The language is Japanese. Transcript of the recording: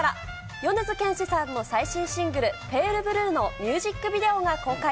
米津玄師さんの最新シングル、ペールブルーのミュージックビデオが公開。